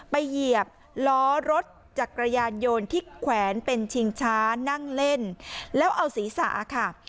เหยียบล้อรถจักรยานโยนที่แขวนเป็นชิงช้านั่งเล่นแล้วเอาศีรษะค่ะ